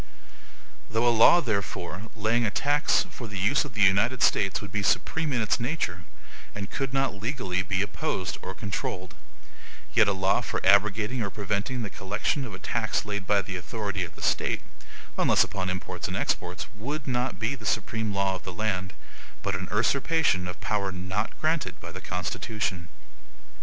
Though a law, therefore, laying a tax for the use of the United States would be supreme in its nature, and could not legally be opposed or controlled, yet a law for abrogating or preventing the collection of a tax laid by the authority of the State, (unless upon imports and exports), would not be the supreme law of the land, but a usurpation of power not granted by the Constitution.